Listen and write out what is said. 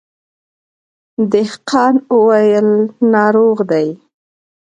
دهقان وويل ناروغ دی.